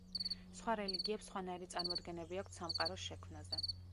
სხვა რელიგიებს სხვანაირი წარმოდგენები აქვთ სამყაროს შექმნაზე.